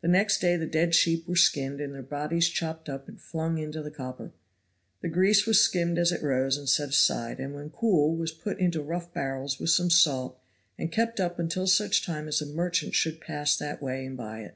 The next day the dead sheep were skinned and their bodies chopped up and flung into the copper. The grease was skimmed as it rose, and set aside, and when cool was put into rough barrels with some salt and kept up until such time as a merchant should pass that way and buy it.